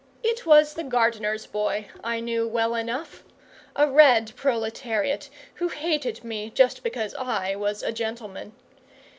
It was the gardener's boy, I knew well enough; a red proletariat, who hated me just because I was a gentleman.